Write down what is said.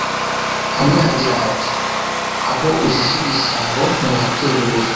hamwe hagira hati “aho ujishe igisabo ntuhatera ibuye